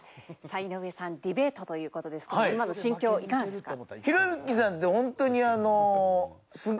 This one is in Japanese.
さあ井上さんディベートという事ですけど今の心境いかがですか？